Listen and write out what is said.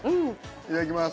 いただきます。